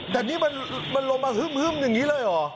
แต่นี่มันมันลงมาฮึ้มฮึ้มอย่างงี้เลยเหรอ